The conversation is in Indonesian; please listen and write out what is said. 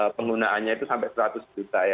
penggunaannya itu sampai seratus juta ya